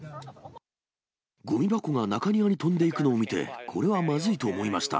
ごみ箱が中庭に飛んでいくのを見て、これはまずいと思いました。